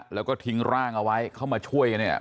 แล้วก็ทิ้งร่างเอาไว้เข้ามาช่วยกันเนี่ย